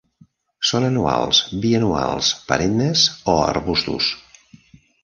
Són anuals, bianuals, perennes, o arbustos.